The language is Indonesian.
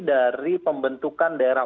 dari pembentukan daerah